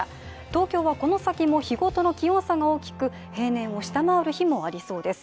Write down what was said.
東京はこの先も日ごとの気温差が大きく平年を下回る日もありそうです。